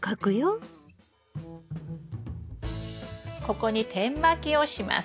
ここに点まきをします。